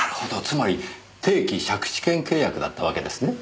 つまり定期借地権契約だったわけですね。